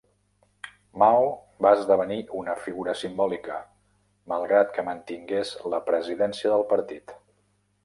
Mao va esdevenir una figura simbòlica, malgrat que mantingués la presidència del partit.